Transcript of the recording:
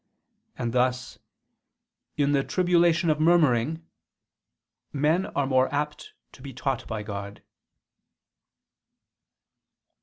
And thus, "in the tribulation of murmuring," men are more apt to be taught by God.